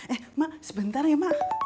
eh mak sebentar ya mak